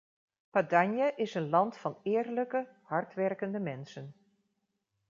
Padanië is een land van eerlijke, hardwerkende mensen.